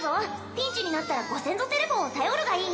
ピンチになったらご先祖テレフォンを頼るがいい